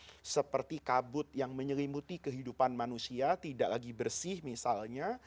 seperti kabut yang menyelimuti kehidupan manusia tidak lagi bersih misalnya